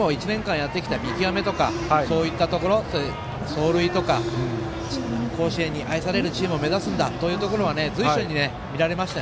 でも１年間やってきた見極めとかそういったところ走塁とか甲子園に愛されるチームを目指すんだというところは随所に見られました。